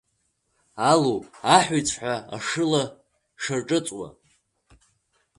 Алу аҳәиҵәҳәа ашыла шаҿыҵуа…